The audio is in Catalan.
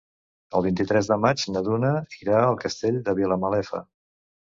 El vint-i-tres de maig na Duna irà al Castell de Vilamalefa.